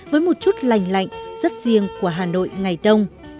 với một chút lành lạnh rất riêng của hà nội ngày đông